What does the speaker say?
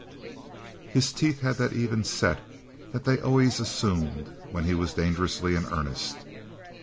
His teeth had that even set that they always assumed when he was dangerously in earnest.